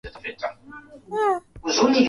alikuwa mwanamke wa tatu kutawala uingereza